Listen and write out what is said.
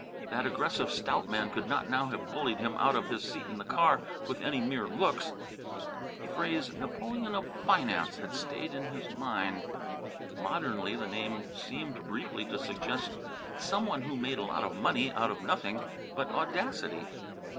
That aggressive stout man could not now have bullied him out of his seat in the car with any mere looks. The phrase "Napoleon of Finance" had stayed in his mind. Modernly the name seemed briefly to suggest some one who made a lot of money out of nothing but audacity.